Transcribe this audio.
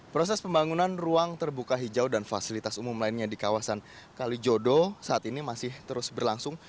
proses pembangunan ruang terbuka hijau dan fasilitas umum lainnya di kawasan kalijodo saat ini masih terus berlangsung